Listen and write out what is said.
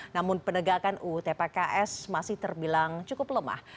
namun penegakan uu tpks masih terbilang cukup lemah